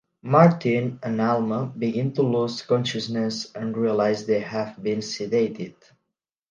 Martin and Alma begin to lose consciousness and realize they have been sedated.